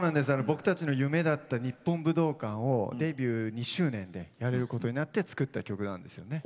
僕たちの夢だった日本武道館をデビュー２周年でやれることになって作った曲なんですよね。